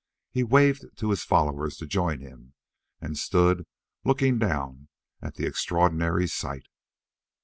He waved to his followers to join him, and stood looking down at the extraordinary sight.